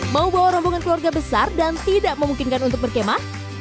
mau bawa rombongan keluarga besar dan tidak memungkinkan untuk berkemah